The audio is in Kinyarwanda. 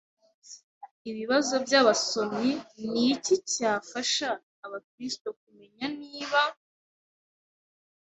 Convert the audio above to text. Ibibazo by abasomyi Ni iki cyafasha Abakristo kumenya niba